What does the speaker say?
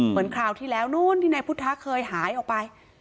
คราวที่แล้วนู้นที่นายพุทธะเคยหายออกไป